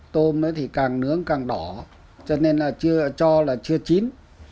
tôm thì càng nướng càng đỏ cho nên cho là chưa chín